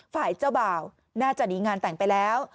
ฝ่ายเจ้าบ่าวน่าจะหนีงานแต่งไปแล้ว